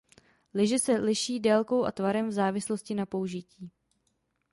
Lyže se liší délkou a tvarem v závislosti na použití.